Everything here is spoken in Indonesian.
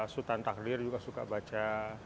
sultan tahlir juga suka baca